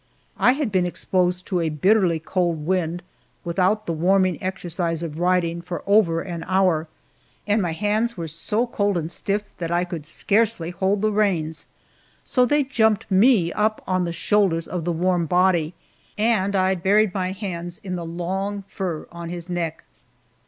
I had been exposed to a bitterly cold wind, without the warming exercise of riding, for over an hour, and my hands were so cold and stiff that I could scarcely hold the reins, so they jumped me up on the shoulders of the warm body, and I buried my hands in the long fur on his neck.